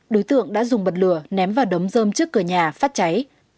đối tượng đã dùng bật lửa ném vào đống dơm trước cửa nhà phát cháy